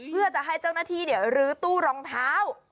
เพื่อจะให้เจ้าหน้าที่ลื้อตู้รองเท้า